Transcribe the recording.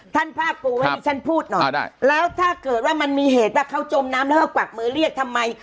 ภาคปูให้ดิฉันพูดหน่อยแล้วถ้าเกิดว่ามันมีเหตุว่าเขาจมน้ำแล้วเขากวักมือเรียกทำไม